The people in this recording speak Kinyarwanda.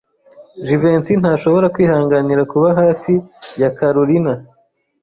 Jivency ntashobora kwihanganira kuba hafi ya Kalorina.